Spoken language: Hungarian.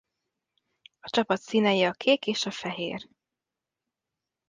A csapat színei a kék és a fehér.